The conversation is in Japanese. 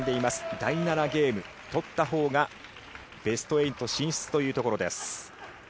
第７ゲーム、取ったほうがベスト８進出というところです。